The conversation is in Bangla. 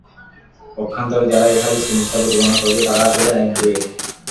পক্ষান্তরে যারা এ হাদীসকে মিথ্যা প্রতিপন্ন করেছে, তারা আসলে একগুঁয়ে।